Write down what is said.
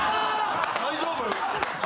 ・大丈夫？